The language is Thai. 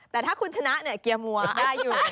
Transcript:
แต่ถ้าคุณชนะเนี่ยเกียร์มัวได้อยู่